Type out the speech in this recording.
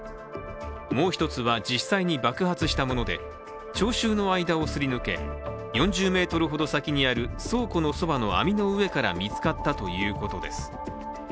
もう一つは、実際に爆発したもので聴衆の間をすり抜け４０ｍほど先にある倉庫のそばの網の上から見つかったということです。